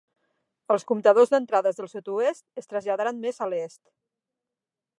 Els comptadors d'entrades del sud-oest es traslladaran més a l'est.